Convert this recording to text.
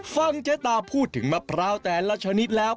ฟังเจ๊ตาพูดถึงมะพร้าวแต่ละชนิดแล้ว